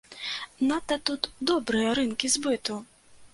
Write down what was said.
Надта тут добрыя рынкі збыту!